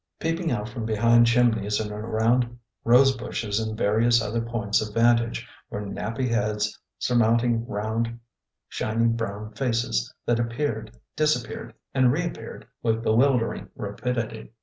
Peeping out from behind chimneys and around rose bushes and various other points of vantage were nappy heads surmounting round, shiny, brown faces that ap peared, disappeared, and reappeared with bewildering rapidity.